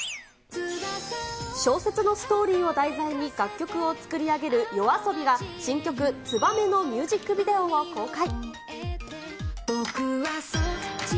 小説のストーリーを題材に楽曲を作り上げるＹＯＡＳＯＢＩが、新曲、ツバメのミュージックビデオを公開。